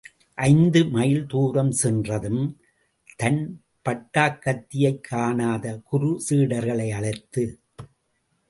ஐந்து மைல் தூரம் சென்றதும் தன் பட்டாக்கத்தியைக் காணாத குரு சீடர்களை அழைத்து.